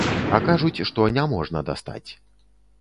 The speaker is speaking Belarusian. А кажуць, што няможна дастаць.